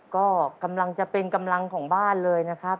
ก็กำลังจะเป็นกำลังของบ้านเลยนะครับ